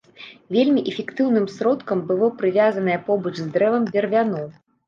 Вельмі эфектыўным сродкам было прывязанае побач з дрэвам бервяно.